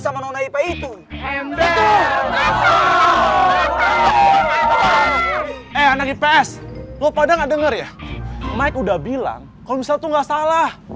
sama nonipa itu eh anak ips kok pada nggak denger ya mike udah bilang kalau misalnya tuh nggak salah